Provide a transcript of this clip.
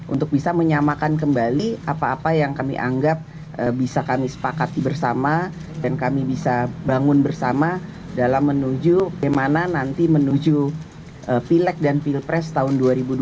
untuk bisa menyamakan kembali apa apa yang kami anggap bisa kami sepakati bersama dan kami bisa bangun bersama dalam menuju kemana nanti menuju pilek dan pilpres tahun dua ribu dua puluh